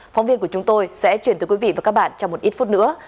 phóng viên của chúng tôi sẽ chuyển tới quý vị và các bạn trong một ít phút nữa